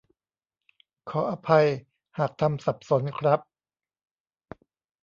ขออภัยหากทำสับสนครับ